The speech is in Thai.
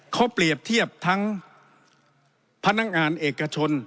เขาเปรียบเทียบทั้งพนักงานเอกชน